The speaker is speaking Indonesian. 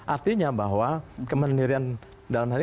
artinya bahwa kemandirian dalam negeri